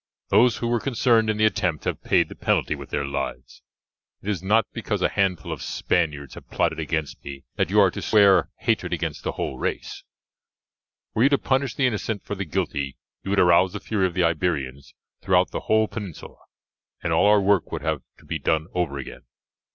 Those who were concerned in the attempt have paid the penalty with their lives; it is not because a handful of Spaniards have plotted against me that you are to swear hatred against the whole race; were you to punish the innocent for the guilty you would arouse the fury of the Iberians throughout the whole peninsula, and all our work would have to be done over again.